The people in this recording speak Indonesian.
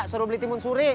suruh beli timun suri